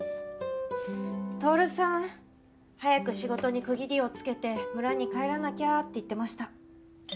トオルさん早く仕事に区切りをつけて村に帰らなきゃって言ってました。